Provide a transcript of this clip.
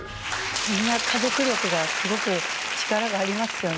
みんな家族力がすごく力がありますよね。